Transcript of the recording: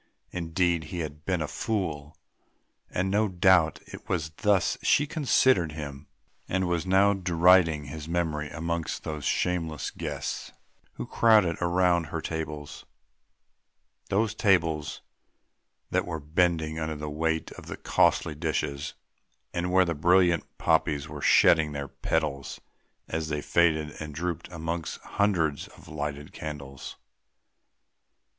Indeed he had been a fool! And no doubt it was thus she considered him, and was now deriding his memory amongst those shameless guests who crowded around her tables; those tables that were bending under the weight of the costly dishes, and where the brilliant poppies were shedding their petals as they faded and drooped amongst hundreds of lighted candles.